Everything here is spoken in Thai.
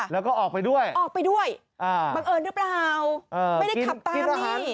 แล้วก็ออกไปด้วยออกไปด้วยบังเอิญหรือเปล่าไม่ได้ขับตามนี่